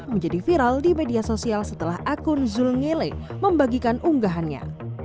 menjadi viral di media sosial setelah akun zul ngele membagikan unggahannya